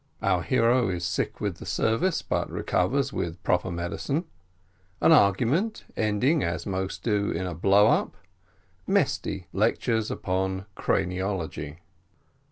OUR HERO IS SICK WITH THE SERVICE, BUT RECOVERS WITH PROPER MEDICINE AN ARGUMENT, ENDING, AS MOST DO, IN A BLOW UP MESTY LECTURES UPON CRANIOLOGY.